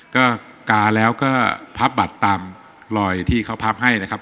ก็กาแล้วก็พับบัตรตามรอยที่เขาพับให้นะครับ